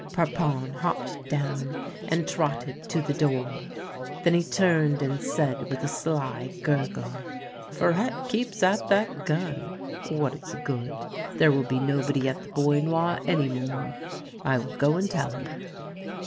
Parpon hopped down and trotted to the door. Then he turned and said, with a sly gurgle: " Farette keeps at that gun. What is the good! There will be no body at the Bois Noir any more. I will go and tell him."